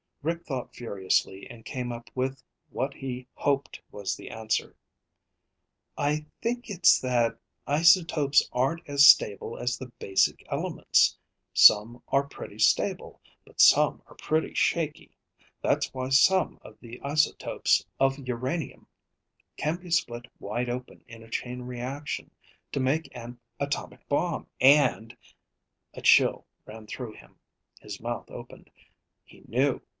Rick thought furiously and came up with what he hoped was the answer. "I think it's that isotopes aren't as stable as the basic elements. Some are pretty stable, but some are pretty shaky. That's why some of the isotopes of uranium can be split wide open in a chain reaction to make an atomic bomb, and ..." A chill ran through him. His mouth opened. He knew!